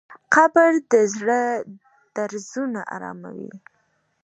قبر د زړه درزونه اراموي.